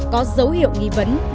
có dấu hiệu nghi vấn